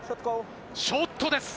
ショットです！